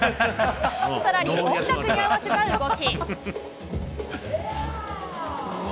さらに音楽に合わせた動き。